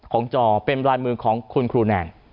จอเป็นลายมือของคุณครูแนน